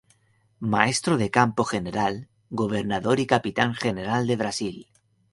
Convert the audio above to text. Maestro de campo General, Gobernador y capitán-general de Brasil.